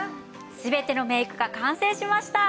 全てのメイクが完成しました！